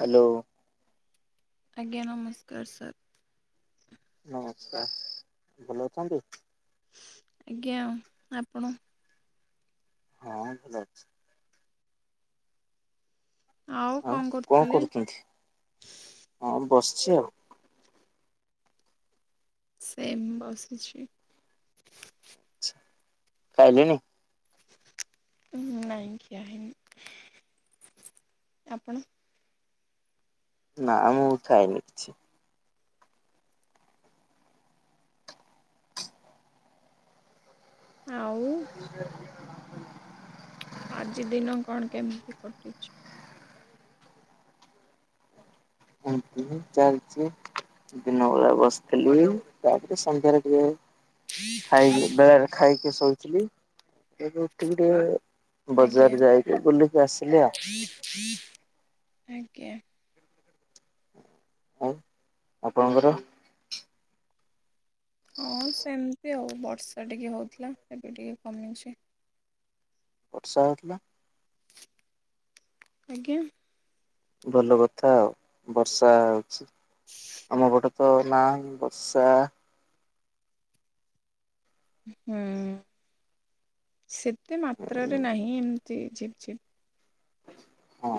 Hello. ଆଜ୍ଞା ନମସ୍କାର sir. ନମସ୍କାର ଭଲ ଅଛନ୍ତି? ଆଜ୍ଞା ଆପଣ? ହଁ ଭଲ ଅଛି। ଆଉ କଣ କରୁଛନ୍ତି ହଁ ବସିଚି ଆଉ। ସେମ୍ ବସିଛି। ଖାଇଲୁଣୁ? ନାଇଁ ଖିଆ ହେଇନି। ଆପଣ? ନା ମୁଁ ଖାଇନି କିଛି। ଆଉ ଆଜି ଦିନକ କଣ କେମିତି ରେ କଟୁଚି? ଏମିତି ହିଁ ଚାଲିଚି ଦିନବେଳେ ବସିଥିଲି ତାପରେ ସନ୍ଧ୍ୟାରେ ଟିକେ ଖାଇକି ବେଳାରେ ଖାଇକି ଶୋଇଥିଲି ଏବେ ଉଠିକି ଟିକେ ଆଜ୍ଞା ବଜାର ଯାଇକି ବୁଲିକି ଆସିଲି ଆଉ। ଆଜ୍ଞା। ଆଉ ଆପଣଙ୍କର? ହଁ ସେମିତି ଆଉ ବର୍ଷା ଟିକେ ହୋଉଥିଲା, ଏବେ ଟିକେ କମିଛି। ବର୍ଷା ହୋଉଥିଲା। ଆଜ୍ଞା। ଭଲ କଥା ଆଉ ବର୍ଷା ହଉଛି। ଆମ ପଟେ ତ ନାହିଁ ବର୍ଷା। ଉ ହୁଁ ସେତେ ମାତ୍ରାରେ ନାହିଁ ଏମତି ଝିପ୍ ଝିପ୍। ହଁ।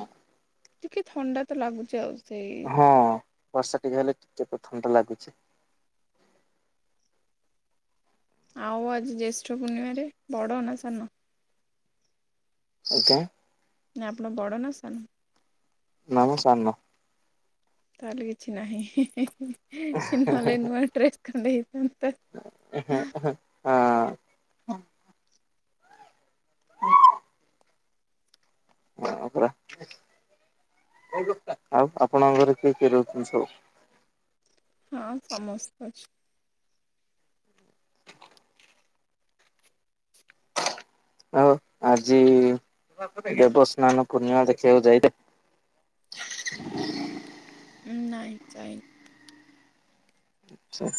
ଟିକେ ଥଣ୍ଡା ତ ଲାଗୁଚେ ଆଉ ସେ ହଁ ବର୍ଷା ଟିକେ ହେଲେ ଟିକତେ ଥଣ୍ଡା ଲାଗୁଛି। ଆଉ ଆଜି ଜ୍ୟେଷ୍ଠ ପୂର୍ଣ୍ଣିମାରେ ବଡ଼ ନା ସାନ? ଆଜ୍ଞା। ନା ଆପଣ ବଡ଼ ନା ସାନ? ନା ମୁଁ ସାନ। ତାହେଲେ କିଛି ନାହିଁ ନହେଲେ ନୂଆ ଡ୍ରେସ ଖଣ୍ଡେ ହେଇଥାନ୍ତା। ଆ ହଁ। ହୁଁ ଆହ ଆଉ ଆପଣଙ୍କ ଘରେ କିଏ କିଏ ରହୁଚନ୍ତି ସବୁ? ହଁ ସମସ୍ତେ ଅଛୁ। ଆଉ ଆଜି ଦେବସ୍ନାନ ପୂର୍ଣ୍ଣିମା ଦେଖିବାକୁ ଯାଇତେ ନାଇଁ ଯାଇ ଆଛା।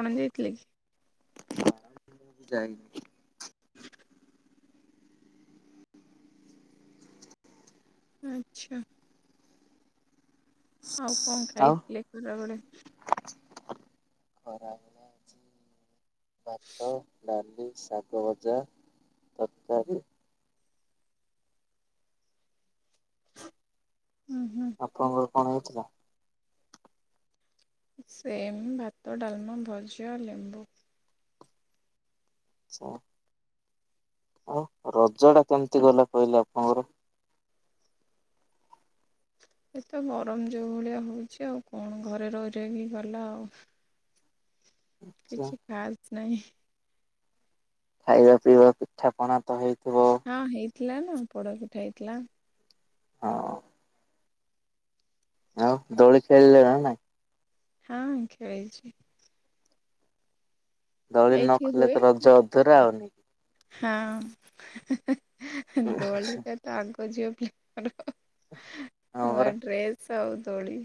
ତମେ ଯାଇଥିଲ କି? ଯାଇନି। ଆଛା। ଆଉ କଁ ଆଉ ଖାଇଥିଲେ ଖରାବେଳେ? ଖରାବେଳେ ଆଜି ଭାତ ଡାଲି ଶାଗ ଭଜା ତକାରୀ। ଉଁ ହୁଁ। ଆପଣଙ୍କର କଣ ହେଇଥିଲା? ସେମ୍ ଭାତ, ଡାଲମା, ଭଜା, ଲେମ୍ବୁ। ଛା। ଆଉ ରଜ ଟା କେମତି ଗଲା କହିଲେ ଆପଣଙ୍କର? ଏତ ଗରମ ଯୋଉ ଭଳିଆ ହଉଛି ଆଉ କଣ ଘରେ ରହି ରହି କି ଗଲା ଆଉ। କିଛି ଖାସ୍ ନାହିଁ। ଖାଇବା ପିଇବା ପିଠାପଣା ତ ହେଇଥିବ? ହଁ ହେଇଥିଲା ନା ପୋଡପିଠା ହେଇଥିଲା। ହଁ। ଆଉ ଦୋଳି ଖେଳିଲେ ନା ନାଇଁ? ହଁ ଖେଳଛି। ଦଳି ନ ଏଇଠି ଖେଳିଲେ ହୁଏ। ତ ରଜ ଅଧୁରା ଆଉ ନାଇକି? ହଁ ନାଇଁ ଦୋଳି କତ ତା ଆଗ ଝିଅ ପିଲାଙ୍କର ହଁ ପରା। ନୂଆ ଡ୍ରେସ୍ ଆଉ ଦୋଳି।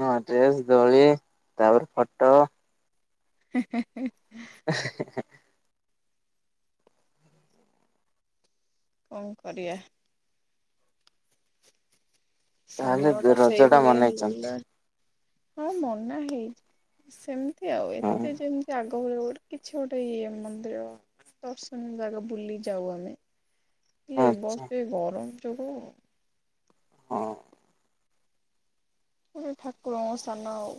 ନୂଆଁ ଡ୍ରେସ ଦୋଳି ତାପରେ ଫଟୋ। ହେଁ ହେଁ ହେଁ। ହେଁ ହେଁ ହେଁ। କଁ କରିବା? ସମୟ ତାହେଲେ ଟା ରଜ ସେଇ ଭଳିଆ ମନେଇଛନ୍ତି ହେଇଗଲା। ହଁ ମନା ହେଇଚି ସେମିତି ଆଉ ହଁ। ଏତେ ଯେମିତି ଆଗ ତୋଉଡ କିଛି ଗୋଟେ ଇଏ ମନ୍ଦିର ଦର୍ଶନ ଜାଗା ବୁଲି ଯାଉ ଆମେ। ଲେ ଆଚ୍ଛା ବର୍ଷ ଏ ଗରମ ଯୋଗୁ ହଁ। ଏ ଯୋଉ ଠାକୁର ସ୍ଥାନ ଆଉ।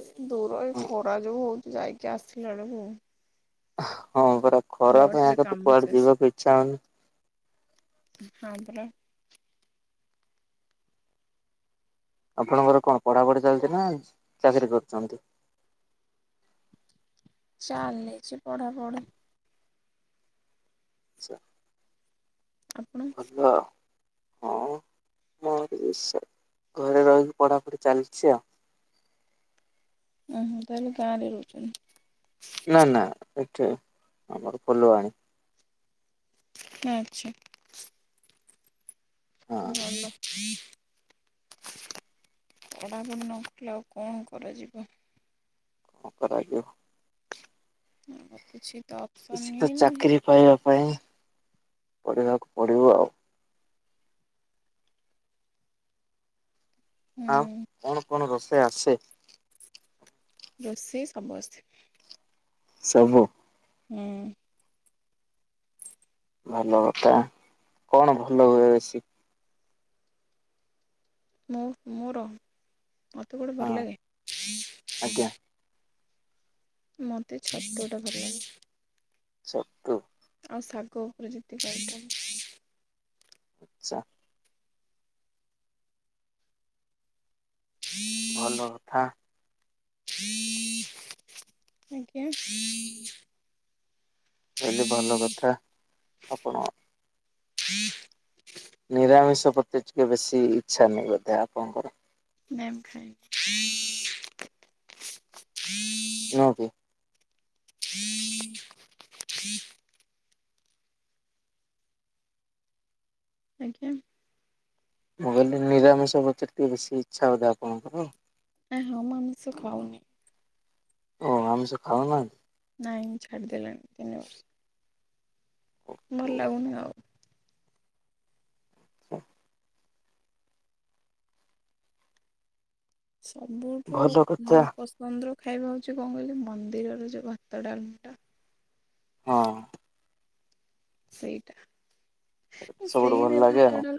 ଏଦୂର ଏଇ ଖରା ଯୋଉ ହଉଚି ଯାଇକି ଆସିଲା ବେଳକୁ ହଁ ପରା ତା ଖରା ବାଟରେ ପାଇଁତ କାମ କୁଆଡ଼େ ଯିବାକୁ ଇଚ୍ଛା ହଉନି। ହଁପରା। ଆପଣଙ୍କର କଣ ପଢ଼ାପଢ଼ି ଚାଲିଚିନା ଚାକିରି କରୁଚନ୍ତି? ଚାଲିଚି ପଢ଼ାପଢ଼ି। ଆଚ୍ଛା। ଆପଣ ହଁ। ହଁ ମୋରବି ସେଇ ଘରେ ରହିକି ପଢ଼ାପଢ଼ି ଚାଲିଚି ଆଉ। ଓହୋ ତାହେଲେ ଗାଁରେ ରହୁଚନ୍ତି। ନା ନା ଏଠି ଆମର ଫୁଲବାଣୀ। ଆଚ୍ଛା। ହଁ ଭଲ। ପଢ଼ାପଢ଼ି ନକଲେ ଆଉ କଣ କରାଯିବ। କଣ କରାଯିବ। ହଁ କିଛିତ କିଛିତ ଚାକିରି ପାଇବା ପାଇଁ ପଢ଼ିବାକୁ ପଡ଼ିବ ଆଉ। ଆଉ ହୁଁ କଣ କଣ ରୋଷେଇ ଆସେ? ରୋଷେଇ ସବୁ ଆସେ। ସବୁ। ହୁଁ। [inaudible] ଭଲ କଥା କଣ ଭଲ ହୁଏ ବେଶୀ? ମୁଁ ମୋର ମତେ କୋଉଟା ହଁ। ଭଲ ଲାଗେ। ଆଜ୍ଞା ମତେ ଛତୁଟା ଭଲ ଲାଗେ। ଛତୁ। ଆଉ ଶାଗ ଉପରେ ଯେତିକି [unintelligible] ଥାଉ। ଆଚ୍ଛା। ଭଲ କଥା। ଆଜ୍ଞା। ମୁଁକହିଲି ଭଲ କଥା ଆପଣ ନିରାମିଷ ପ୍ରତି ଟିକେ ବେଶୀ ଇଚ୍ଛା ନେଇ ବୋଧେ ଆପଣଙ୍କର? ନାଇଁ ମୁଁଖାଏନି। [unintelligible] ଆଜ୍ଞା। ମୁଁ କହିଲି ନିରାମିଷ ପ୍ରତି ଟିକେ ବେଶୀ ଇଚ୍ଛା ବୋଧେ ଆପଣଙ୍କର? ନାଁ ହଁ ମୁଆମିଷ ଖାଉନି। ଓହ ଆମିଷ ଖାଉନାହିଆନ୍ତି। ନାଇଁ ମୁଁ ଛାଡ଼ିଦେଲିଣି ତିନି ବର୍ଷ। ଭଲ ଲାଗୁନି ଆଉ। [inaudible] ସବୁଠୁ ଭଲ କଥା ମାନେ କ ପସନ୍ଦର ଖାଇବା ହଉଚି କଣ କହିଲେ ମନ୍ଦିରର ଯୋଉ ଭାତ ଡାଲିଟା ହଁ। ସେଇଟା ସବୁଠୁ ସେଇ ଭଲ ଭଳିଆ ଲାଗେ ଭାତ ଆଉ ଡାଲମା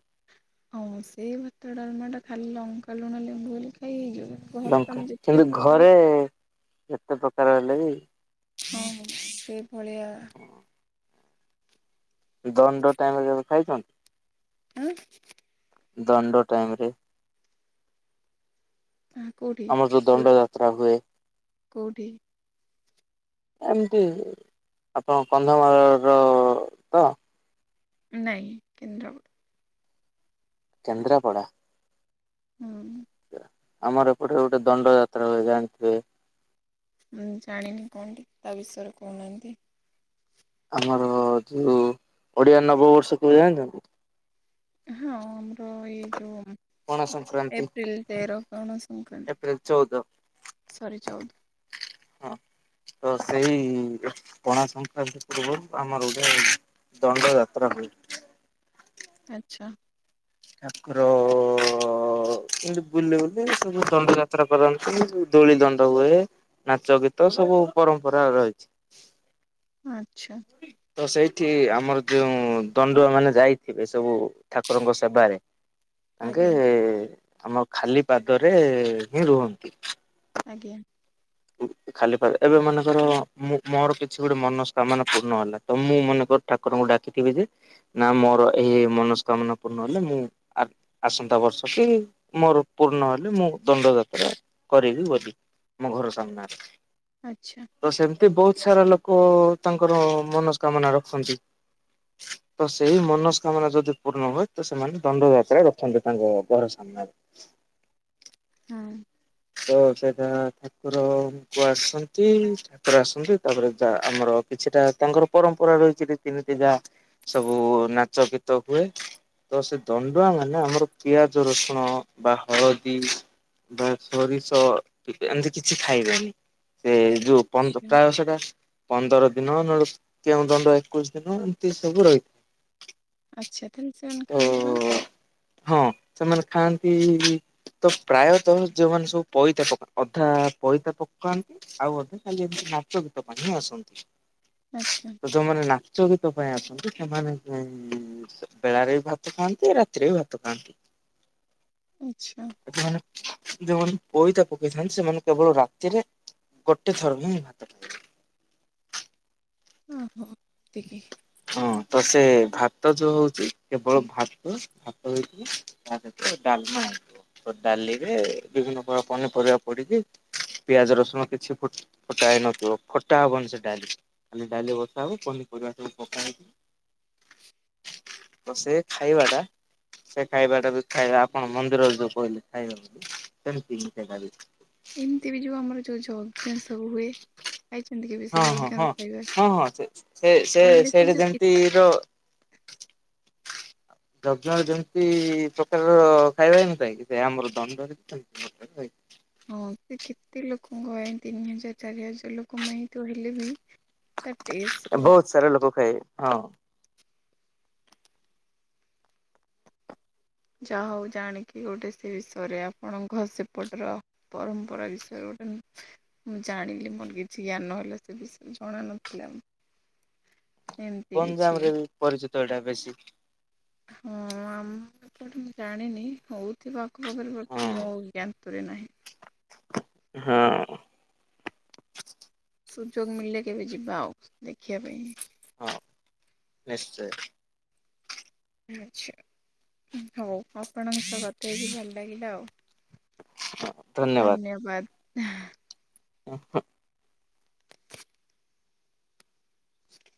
ହଁ ସେଇ ଭାତ ଡାଲମାଟା ଖାଲି ଲଙ୍କା ଲୁଣ ଲେମ୍ବୁ ଦଳି ଖାଇ ହେଇଯିବ। କିନ୍ତୁ ଘରେ ତମେ ଲଙ୍କା ଯେତେ କିନ୍ତୁ ପ୍ରକାର ଘରେ ଯେତେ ପ୍ରକାର ହେଲେବି ହଁ ସେଇଭଳିଆ ହୁଁ। ଦଣ୍ଡ ଟାଇମରେ କେବେ ଖାଇଚନ୍ତି? ଆଁ? ଦଣ୍ଡ ଟାଇମରେ କୋଉଠି? ଆମର ଯୋଉ ପୁରୀ। ଦଣ୍ଡ ଯାତ୍ରା ହୁଏ କୋଉଠି? ଏମିତି, ଆପଣ କନ୍ଧମାଳର ତ? ନାଇଁ, କେନ୍ଦ୍ରାପଡା। କେନ୍ଦ୍ରାପଡ଼ା। ହୁଁ। ଆମର ଏପଟେ ଗୋଟେ ଦଣ୍ଡ ଯାତ୍ରା ହୁଏ, ଜାଣିଥିବେ? ମୁଁ ଜାଣିନି କଣ ଟିକେ, ତା ବିଷୟରେ କହୁନାହାନ୍ତି? ଆମର ଯୋଉ ଓଡିଆ ନବବର୍ଷ କେବେ ଜାଣିଛନ୍ତି? ହଁ, ଆମର ଏଇ ଯୋଉ ପଣା ସଂକ୍ରାନ୍ତି ଏପ୍ରିିଲ ତେର ପଣା ସଂକ୍ରାନ୍ତି, ଏପ୍ରିଲ ଚଉଦ ସରି ଚଉଦ। ହଁ, ତ ସେଇ ପଣା ସଂକ୍ରାନ୍ତି ପୂର୍ବରୁ ଆମର ଗୋଟେ ଦଣ୍ଡ ଯାତ୍ରା ହୁଏ। ଆଛା। ଠାକୁର କିନ୍ତୁ ବୁଲି ବୁଲି ସବୁ ଦଣ୍ଡ ଯାତ୍ରା କରନ୍ତି, ଯୋଉ ଧୂଳି ଦଣ୍ଡ ହୁଏ। ନାଚ ଗୀତ ସବୁ ପରମ୍ପରା ରହିଛି। ଆଛା। ତ ସେଇଠି ଆମର ଯୋଉ ଦଣ୍ଡୁଆ ମାନେ ଯାଇଥିବେ, ସବୁ ଠାକୁରଙ୍କ ସେବାରେ [inaudible] ତାଙ୍କେ ଆମ ଖାଲି ପାଦରେ ହିଁ ରୁହନ୍ତି। ଆଜ୍ଞା। ଖାଲି ପାଦ, ଏବେ ମନେକର ମୋ ମୋର କିଛି ଗୋଟେ ମନସ୍କାମନା ପୂର୍ଣ୍ଣ ହେଲା ତ, ମୁଁ ମନେକର ଠାକୁରଙ୍କୁ ଡାକିଥିବି ଯେ ନା ମୋର ଏଇ ମନସ୍କାମନା ପୂର୍ଣ୍ଣ ହେଲେ ମୁଁ ଆସନ୍ତା ବର୍ଷ କି ମୋର ପୂର୍ଣ ହେଲେ, ମୁଁ ଦଣ୍ଡ ଯାତ୍ରା କରିବି ବୋଲି। ମୋ ଘର ସାମ୍ନାରେ। ଆଛା। ତ ସେମିତି ବହୁତ ସାରା ଲୋକ ତାଙ୍କର ମନସ୍କାମନା ରଖନ୍ତି। [inaudible] ତ ସେଇ ମନସ୍କାମନା ଯଦି ପୂର୍ଣ୍ଣ ହୁଏ ତ, ସେମାନେ ଦଣ୍ଡଯାତ୍ରା ରଖନ୍ତି ତାଙ୍କ ଘର ସାମ୍ନାରେ। ହଁ। ତ ସେଟା ଠାକୁର ଙ୍କୁ ଆସନ୍ତି। ଠାକୁର ଆସନ୍ତି, ତାପରେ ଯା ଆମର କିଛିଟା ତାଙ୍କର ପରମ୍ପରା ରହିଛି ରୀତିନୀତି ଯାହା ସବୁ ନାଚ ଗୀତ ହୁଏ। ତ ସେ ଦଣ୍ଡୁଆ ମାନେ ଆମର ପିଆଜ ରସୁଣ ବା ହଳଦୀ ବା ସୋରିଷ ଏମିତି କିଛି ଖାଇବାନି, ସେ ଯୋଉ ଆଚ୍ଛା ପ୍ରାୟ ସେଟା ପନ୍ଦର ଦିନ ନ କେଉଁ ଦଣ୍ଡ ଏକୋଇଶି ଦିନ ଏମିତି ସବୁ ରହି ଆଛା, ତାହେଲେ ସେମାନେ ଖାଆନ୍ତି କଣ? ହଁ, ସେମାନେ ଖାଆନ୍ତି ତ ପ୍ରାୟତଃ ଯଉମାନେ ସବୁ ପଇତା ପକାନ୍ତି, ଅଧା ପଇତା ପକାନ୍ତି ଆଉ ଅଧା ଖାଲି ଏମିତି ନାଚ ଗୀତ ପାଇଁହିଁ ଆସନ୍ତି। ଆଛା। ତ ଯୋଉମାନେ ନାଚ ଗୀତ ପାଇଁ ଆସନ୍ତି, ସେମାନେ ବେଳାରେ ବି ଭାତ ଖାଆନ୍ତି, ରାତିରେ ବି ଭାତ ଖାଆନ୍ତି। ଆଛା। ଏଠି ମାନେ ଯୋଉମାନେ ପଇତା ପକେଇଥାନ୍ତି, ସେମାନେ କେବଳ ରାତିରେ ଗୋଟେ ଥର ହିଁ ଭାତ ଅ ହ ଏତିକି। ହଁ ତ ସେ ଭାତ ଯୋଉ ହଉଛି କେବଳ ଭାତ ସେଥିରେ ଡାଲମା ଡାଲିରେ ବିଭିନ୍ନ ପ୍ରକାର ପନିପରିବା ପଡିଛି ପିଆଜ ରସୁଣ କିଛି ଫୋଟା ହେଇନଥିବ ଫୋଟା ହବନି ସେ ଡାଲି ଖାଲି ଡାଲି ବସା ହବ ପନିପରିବା ସବୁ ପକା ହେବ। ବ ସେ ଖାଇବା ଟା ସେ ଖାଇବା ଟା ବି ଖାଇବା ଆପଣ ମନ୍ଦିରରେ ଯୋଉ କହିଲେ ଖାଇବେ ବୋଲି ସେମିତି ମିଶ ଖା। ଏମିତି ବି ଯୋଉ ଆମର ଯୋଉ ଯଜ୍ଞ ସବୁ ହୁଏ। ଆଇଛନ୍ତି କେବେ? ସେ ହଁ ହଁ ଯଜ୍ଞର ହଁ ଖାଇବା ହଁ ହଁ ସେ ସେ କହିଲେ ସେଇଟା ଯୋଉ ଏ ଯେମିତି ର [inaudible] ଯଜ୍ଞ ର ଯେମିତି ପ୍ରକାରର ଖାଇବା ହେଇନଥା କି ସେ ଆମର ଦଣ୍ଡ ରେ [inaudible] ହଁ ସେ କେତେ ଲୋକଙ୍କ ତିନି ହଜାର ଚାରି ହଜାର ଲୋକ ପାଇଁ ତ ହେଲେ ବି ତା ହୁଏ। ଟେଷ୍ଟ ଓ ବହୁତ ସାରା ଲୋକ ଖାଏ। ହଁ ଯାହା ହଉ ଜାଣିକି ଗୋଟେ ସେ ବିଷୟରେ ଆପଣଙ୍କର ସେପଟର ପରମ୍ପରା ବିଷୟରେ ଗୋଟେ ମୁଁ ଜାଣିଲି ମୋର କିଛି ଜ୍ଞାନହଲେ ସେ ବିଷୟରେ ଜଣ ନଥିଲା। ଏମିତି କିଛି ଗଞ୍ଜାମ ରେ ବି ପରିଚିତ ଏଇଟା ବେଶୀ। ହଁ ଆମ ଏପଟେ ମୁଁ ଜାଣିନି ହଉଥିବା ଆଖ ପାଖରେ ହଁ। ମୋଜ୍ଞାନ ତରେ ନାହିଁ। ହଁ। ସୁଯୋଗ ମିଳିଲେ କେବେ ଯିବା ଆଉ ଦେଖିବା ପାଇଁ। ହଁ ନିଶ୍ଚୟ। ଆଛା ହଉ ଆପଣଙ୍କ ସହ କଥା ହେଇକି ଭଲ ଲାଗିଲା ଆଉ। ଧନ୍ୟବାଦ। ଓ ହୋ। [inaudible]